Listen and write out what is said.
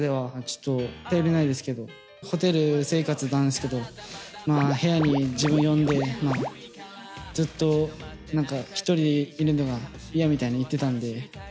ホテル生活なんですけど、部屋に自分を呼んでずっと一人でいるのが嫌みたいにいってたんで。